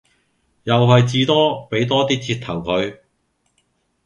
又係至多俾多 d 折頭佢